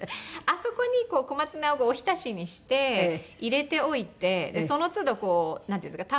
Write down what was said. あそこに小松菜をおひたしにして入れておいてそのつどなんていうんですか。